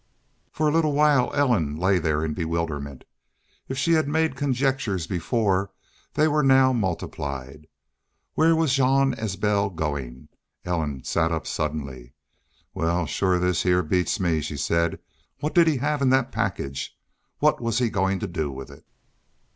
For a little while Ellen lay there in bewilderment. If she had made conjectures before, they were now multiplied. Where was Jean Isbel going? Ellen sat up suddenly. "Well, shore this heah beats me," she said. "What did he have in that package? What was he goin' to do with it?"